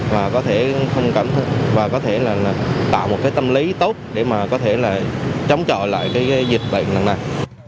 và có thể tạo một tâm lý tốt để có thể chống trọi lại dịch bệnh lần này